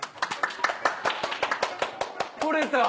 取れた！